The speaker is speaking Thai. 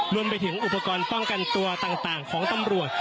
รวมไปถึงอุปกรณ์ป้องกันตัวต่างของตำรวจ